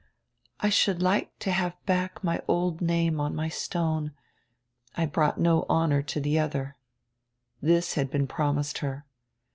"I should like to have back my old name on my stone; I brought no honor to die odier." This had been promised her.